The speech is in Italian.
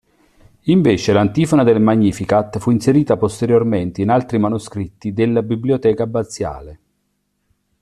Invece l'antifona del Magnificat fu inserita posteriormente in altri manoscritti della biblioteca abbaziale.